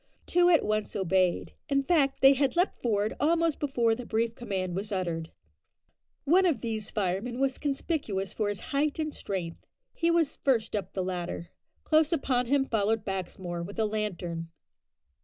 Two at once obeyed. In fact, they had leaped forward almost before the brief command was uttered. One of these firemen was conspicuous for his height and strength. He was first up the ladder. Close upon him followed Baxmore with a lantern.